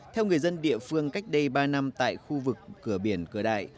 theo người dân địa phương cách đây ba năm tại khu vực cửa biển cửa đại